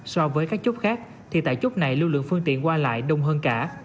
so với các chốt khác thì tại chốt này lưu lượng phương tiện qua lại đông hơn cả